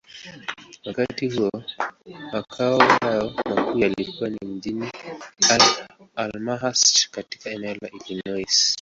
Wakati huo, makao yao makuu yalikuwa mjini Elmhurst, katika eneo la Illinois.